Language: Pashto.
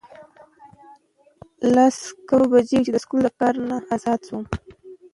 لس کم دوه بجې وې چې د سکول کار نه اوزګار شو